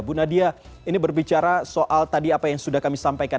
bu nadia ini berbicara soal tadi apa yang sudah kami sampaikan